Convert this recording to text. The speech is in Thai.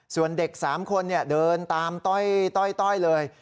ส่วนเด็ก๓คนเดินตามต้อยเลย